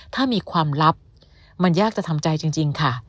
ถ้ามีความลับมันยากจะทำใจจริงค่ะ